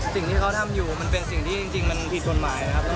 สิ่งที่เขาทำอยู่มันเป็นสิ่งที่จริงมันผิดกฎหมายนะครับ